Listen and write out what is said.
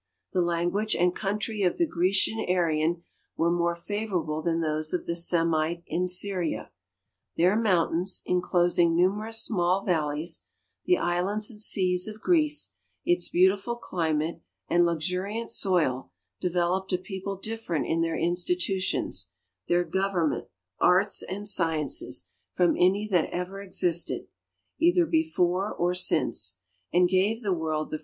The language and coun try of the Grecian Aryan were more favorable than those of the Semite in Syria. Their mountains, inclosing numerous small valleys, the islands and seas of Greece, its beautiful climate and luxuriant soil, developed a people ditlerent in their institutions, their government, arts, and sciences from any that ever existed, either before or since, and gave the world the tir.